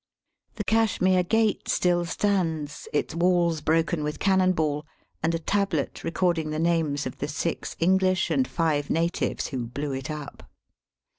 The Cashmere Gate still stands, its walls broken with cannon ball, and a tablet record ing the names of the six English and five natives who blew it up.